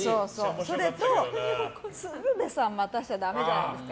それと、鶴瓶さん待たせちゃダメじゃないですか。